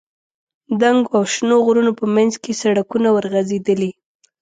دنګو او شنو غرونو په منځ کې سړکونه ورغځېدلي.